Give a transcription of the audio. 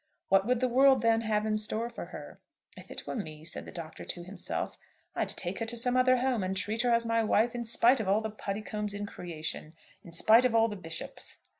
What would the world then have in store for her? "If it were me," said the Doctor to himself, "I'd take her to some other home and treat her as my wife in spite of all the Puddicombes in creation; in spite of all the bishops."